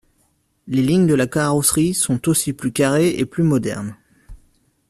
Les lignes de la carrosserie sont aussi plus carrées et plus modernes.